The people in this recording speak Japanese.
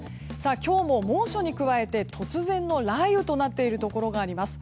今日も猛暑に加えて突然の雷雨となっているところがあります。